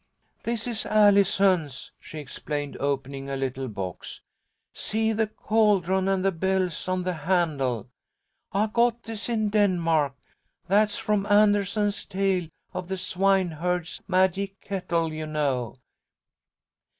"This is Allison's," she explained, opening a little box. "See the caldron and the bells on the handle? I got this in Denmark. That's from Andersen's tale of the swineherd's magic kettle, you know.